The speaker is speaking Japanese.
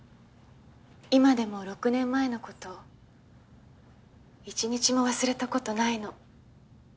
今でも６年前の事１日も忘れたことないの。